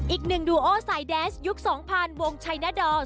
อีกหนึ่งดูโอสายแดนส์ยุค๒๐๐วงชัยนาดอล